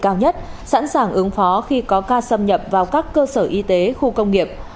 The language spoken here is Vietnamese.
và đồng thời nâng mức cảnh báo chống dịch cao nhất sẵn sàng ứng phó khi có ca xâm nhập vào các cơ sở y tế khu công nghiệp